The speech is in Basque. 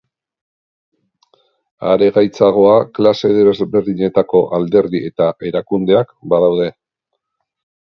Are gaitzagoa klase desberdinetako alderdi eta erakundeak badaude.